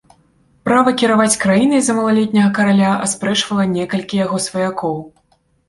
Права кіраваць краінай за малалетняга караля аспрэчвала некалькі яго сваякоў.